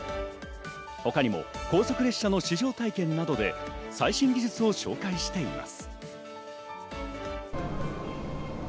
他にも高速列車の試乗体験などでも最新技術を紹介しています。